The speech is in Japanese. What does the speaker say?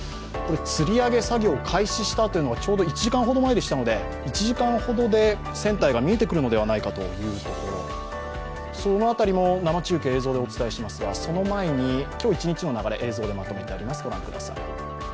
つり上げ作業開始したというのはちょうど１時間ほど前でしたので１時間ほどで船体が見えてくるのではないかというところそのあたりも生中継、映像でお伝えしますが、その前に、今日一日の流れを映像でまとめてあります。